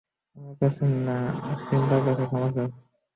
আমার কাছে না, সিম্বার কাছে ক্ষমা চাও।